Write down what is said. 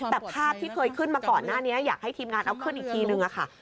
แต่ภาพที่เคยขึ้นมาก่อนหน้านี้อยากให้ทีมงานเอาขึ้นอีกทีนึงค่ะ